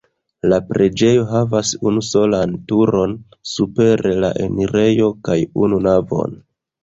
La preĝejo havas unusolan turon super la enirejo kaj unu navon.